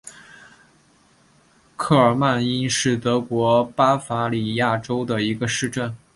库尔迈因是德国巴伐利亚州的一个市镇。